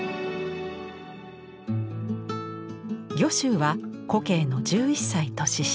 御舟は古径の１１歳年下。